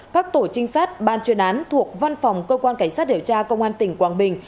các tổ trinh sát ban chuyên án thuộc văn phòng cơ quan cảnh sát điều tra công an tỉnh quảng bình